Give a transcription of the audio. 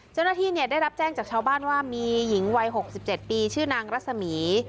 เจ้าหน้าที่ได้รับแจ้งจากชาวบ้านว่ามีหญิงวัย๖๗ปีชื่อนางรัศมี